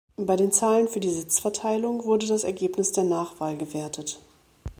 Bei den Zahlen für die Sitzverteilung wurde das Ergebnis der Nachwahl gewertet.